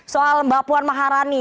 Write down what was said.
soal mbak puan maharani